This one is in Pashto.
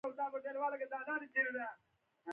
شېرګل د خور په وهلو پښېمانه شو.